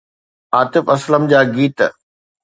عاطف اسلم جا گيت